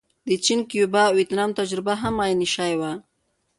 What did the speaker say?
د چین، کیوبا او ویتنام تجربه هم عین شی وه.